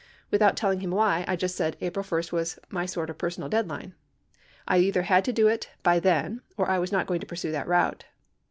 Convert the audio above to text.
Without telling him why, I just said April 1 was my sort of personal deadline. I either had to do it by then or I was not going to pursue that route.